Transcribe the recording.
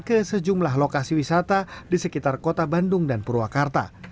ke sejumlah lokasi wisata di sekitar kota bandung dan purwakarta